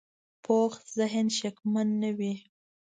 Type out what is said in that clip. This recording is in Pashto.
پوخ ذهن شکمن نه وي